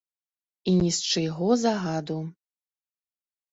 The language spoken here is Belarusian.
І ні з чыйго загаду.